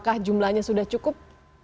apakah jumlahnya sudah cukup